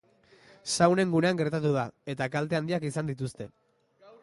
Saunen gunean gertatu da, eta kalte handiak izan dituzte.